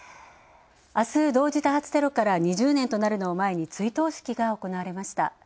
あす、同時多発テロから２０年になるのを前に追悼式が行われました。